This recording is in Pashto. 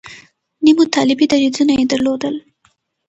نیمو طالبي دریځونه یې درلودل.